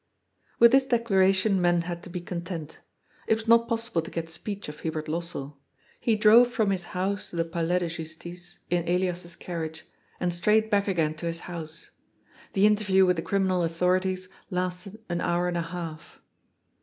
With this declaration men had to be content. It was not possible to get speech of Hubert Lossell. He drove from his house to the Palais de Justice, in Elias's carriage, 432 GOD'S POOL. and straight back again to his house. The interview with the criminal authorities lasted an hour and a half.